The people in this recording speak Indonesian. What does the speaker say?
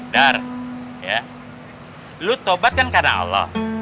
dar ya lu tobat kan karena allah